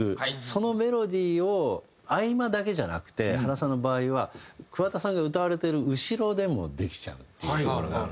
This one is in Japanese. そのメロディーを合間だけじゃなくて原さんの場合は桑田さんが歌われている後ろでもできちゃうっていうところがあるんですよね。